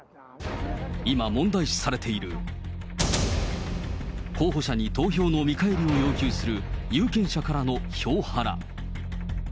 今、問題視されている、候補者に投票の見返りを要求する有権者からの票ハラ。